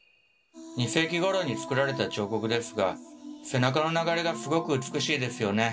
２世紀ごろに作られた彫刻ですが背中の流れがすごく美しいですよね！